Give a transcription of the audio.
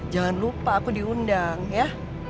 jangan lupa aku diundang ya